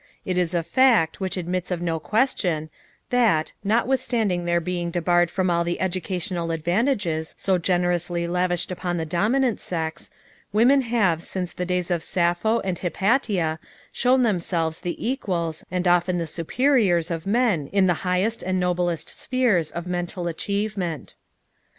It is a fact, which admits of no question, that, notwithstanding their being debarred from all the educational advantages so generously lavished upon the dominant sex, women have since the days of Sappho and Hypatia shown themselves the equals and often the superiors of men in the highest and noblest spheres of mental achievement.